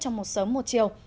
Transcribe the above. trong một sớm một chiều